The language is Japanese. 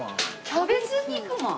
キャベツ肉まん？